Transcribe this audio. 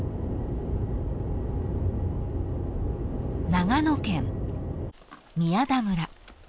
［長野県宮田村］